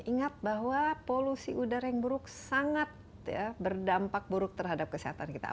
ingat bahwa polusi udara yang buruk sangat berdampak buruk terhadap kesehatan kita